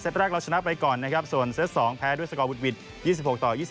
แรกเราชนะไปก่อนนะครับส่วนเซต๒แพ้ด้วยสกอร์วุดวิด๒๖ต่อ๒๐